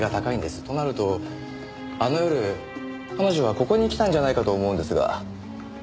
となるとあの夜彼女はここに来たんじゃないかと思うんですが。